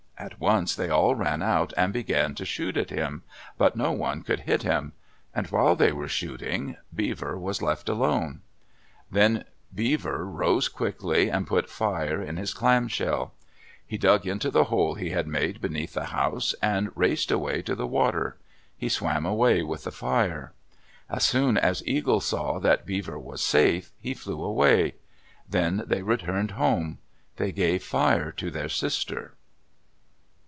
At once they all ran out and began to shoot at him, but no one could hit him. And while they were shooting, Beaver was left alone. Then Beaver rose quickly and put fire in his clam shell. He dug into the hole he had made beneath the house, and raced away to the water. He swam away with the fire. As soon as Eagle saw that Beaver was safe, he flew away. Then they returned home. They gave fire to their sister.